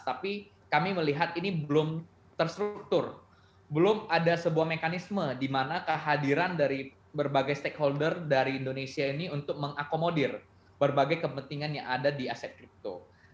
tapi kami melihat ini belum terstruktur belum ada sebuah mekanisme di mana kehadiran dari berbagai stakeholder dari indonesia ini untuk mengakomodir berbagai kepentingan yang ada di aset kripto